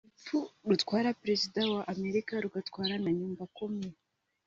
urupfu rutwara Perezida wa Amerika rugatwara na Nyumbakumi